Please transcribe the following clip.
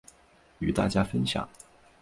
与大家分享